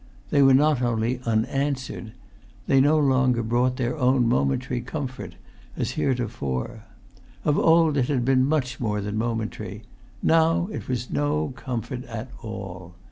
They were not only unanswered; they no longer brought their own momentary comfort, as heretofore. Of old it had been much more than momentary; now it was no comfort at all.